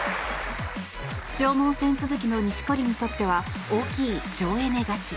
消耗戦続きの錦織にとっては大きい省エネ勝ち。